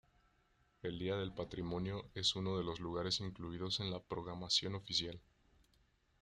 El Día del Patrimonio es uno de los lugares incluidos en la programación oficial.